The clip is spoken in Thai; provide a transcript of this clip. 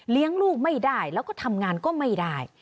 เลี้ยงลูกไม่ได้แล้วทำงานก็ไม่ได้